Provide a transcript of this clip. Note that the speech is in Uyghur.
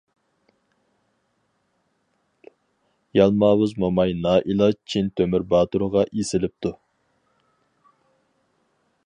يالماۋۇز موماي نائىلاج چىن تۆمۈر باتۇرغا ئېسىلىپتۇ.